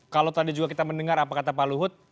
kalau tadi juga kita mendengar apa kata pak luhut